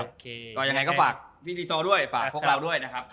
โอเคก็ยังไงก็ฝากพี่ดีโซด้วยฝากพวกเราด้วยนะครับ